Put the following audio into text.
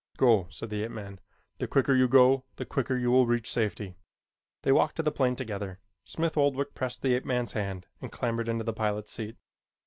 "Go," said the ape man. "The quicker you go, the quicker you will reach safety." They walked to the plane together. Smith Oldwick pressed the ape man's hand and clambered into the pilot's seat.